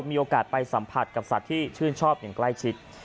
มีโอกาสไปสัมผัสกับสัตว์ที่ชื่นชอบอย่างใกล้ชิด